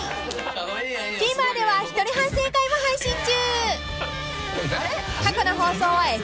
［Ｔｖｅｒでは一人反省会も配信中］